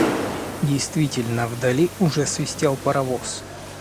Действительно, вдали уже свистел паровоз.